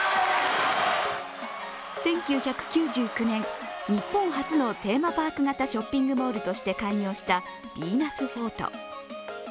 １９９９年、日本初のテーマパーク型ショッピングモールとして開業したヴィーナスフォート。